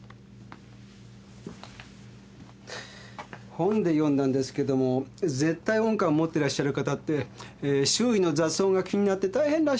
本で読んだんですけども「絶対音感」持ってらっしゃる方ってえー周囲の雑音が気になって大変らしいですねぇ。